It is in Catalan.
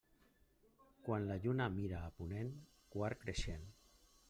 Quan la lluna mira a ponent, quart creixent.